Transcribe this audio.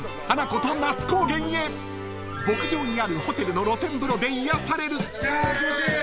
［牧場にあるホテルの露天風呂で癒やされる］